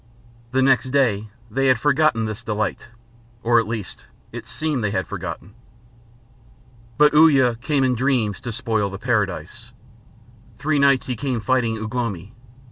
The next day they had forgotten this delight. Or at least, it seemed they had forgotten. But Uya came in dreams to spoil the paradise. Three nights he came fighting Ugh lomi.